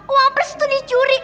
uang pers itu dicuri